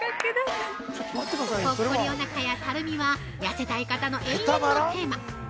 ぽっこりおなかや、たるみは痩せたい方の永遠のテーマ！